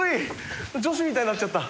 女子みたいになっちゃった。